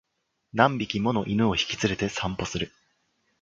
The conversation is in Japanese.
何匹もの犬を引き連れて散歩する